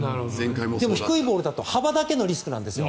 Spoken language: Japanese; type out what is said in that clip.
でも、低いボールだと幅だけのリスクなんですよ。